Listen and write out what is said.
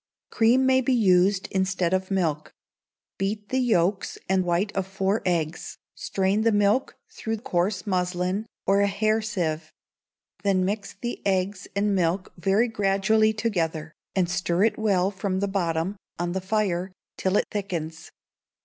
Cream may be used instead of milk; beat the yolks and white of four eggs, strain the milk through coarse muslin, or a hair sieve; then mix the eggs and milk very gradually together, and stir it well from the bottom, on the fire, till it thickens.